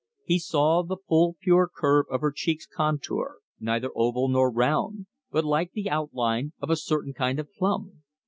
He saw the full pure curve of her cheek's contour, neither oval nor round, but like the outline of a certain kind of plum.